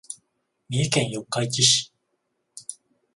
三重県四日市市